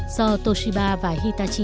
do toshiba và hitachi